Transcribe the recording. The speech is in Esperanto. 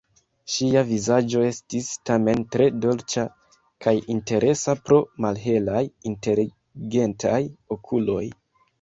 Ŝia vizaĝo estis tamen tre dolĉa kaj interesa pro malhelaj, inteligentaj okuloj.